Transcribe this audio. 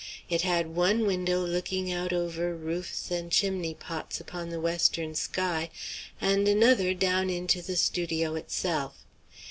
It had one window looking out over roofs and chimney pots upon the western sky, and another down into the studio itself.